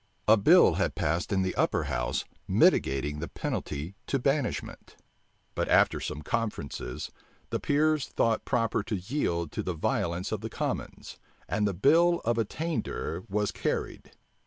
A bill had passed the upper house, mitigating the penalty to banishment; but after some conferences, the peers thought proper to yield to the violence of the commons, and the bill of attainder was carried.